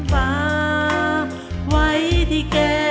ดินทอด